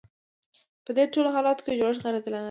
په دې ټولو حالاتو کې جوړښت غیر عادلانه دی.